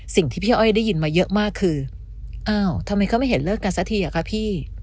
สิ่งที่พี่อ้อยได้ยินมาเยอะมากคืออ้าวทำไมเขาไม่เห็นเลิกกันสักทีอะคะพี่